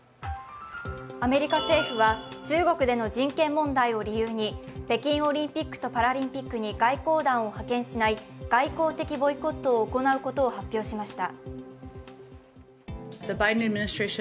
アメリカ政府は中国での人権問題を理由に、北京オリンピックとパラリンピックに外交団を派遣しない、外交的ボイコットを行うことを発表しました。